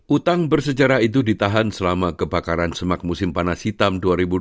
utang bersejarah itu ditahan selama kebakaran semak musim panas hitam dua ribu dua puluh